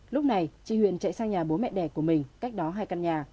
lúc này chị huyền chạy sang nhà bố mẹ đẻ của mình cách đó hai căn nhà